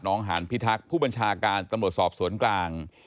หานพิทักษ์ผู้บัญชาการตำรวจสอบสวนกลาง